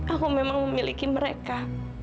aku memang memiliki mereka